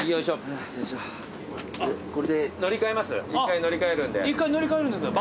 １回乗り換えるんですか